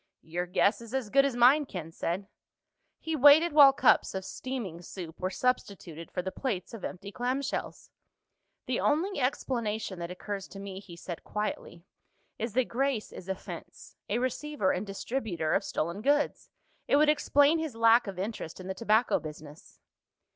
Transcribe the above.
"Your guess is as good as mine," Ken said. He waited while cups of steaming soup were substituted for the plates of empty clamshells. "The only explanation that occurs to me," he said quietly, "is that Grace is a fence—a receiver and distributor of stolen goods. It would explain his lack of interest in the tobacco business."